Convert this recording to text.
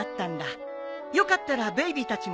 よかったらベイビーたちも来ないかい？